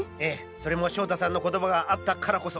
それも翔太さんの言葉があったからこそ。